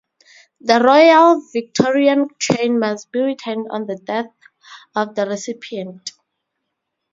The Royal Victorian Chain must be returned on the death of the recipient.